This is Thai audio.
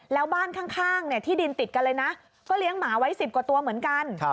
แล้วบ้านข้างที่ดินติดกันเลยนะก็เลี้ยงหมาไว้๑๐กว่าตัวเหมือนกัน